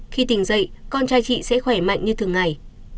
khi tình dậy con trai chị sẽ khỏe mạnh như thường ngày